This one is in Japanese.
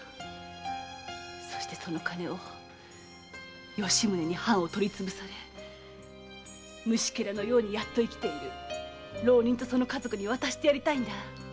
そしてその金を吉宗に藩を取りつぶされ虫けらのようにやっと生きている浪人とその家族に渡してやりたいんだ。